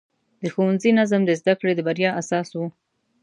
د ښوونځي نظم د زده کړې د بریا اساس و.